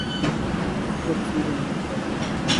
Suche Züge nach Freiburg.